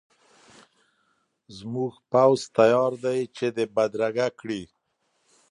زموږ پوځ تیار دی چې دی بدرګه کړي.